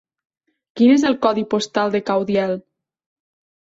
Quin és el codi postal de Caudiel?